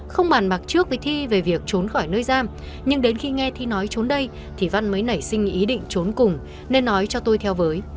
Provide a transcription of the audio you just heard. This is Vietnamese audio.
không bàn bạc trước với thi về việc trốn khỏi nơi giam nhưng đến khi nghe thi nói trốn đây thì văn mới nảy sinh ý định trốn cùng nên nói cho tôi theo với